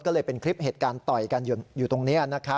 ก็เลยเป็นคลิปเหตุการณ์ต่อยกันอยู่ตรงนี้